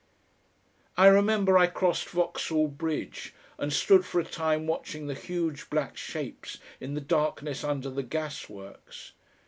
I remember I crossed Vauxhall Bridge and stood for a time watching the huge black shapes in the darkness under the gas works.